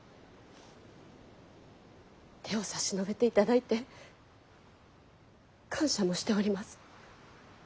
手を差し伸べていただいて感謝もしております。